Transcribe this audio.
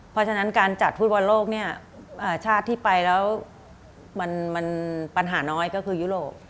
เพราะฉะนั้นการจัดฟุตบอลโลกเนี่ยชาติที่ไปแล้วมันปัญหาน้อยก็คือยุโรป